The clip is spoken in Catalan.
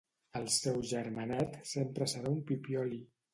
El seu germanet sempre serà un pipioli.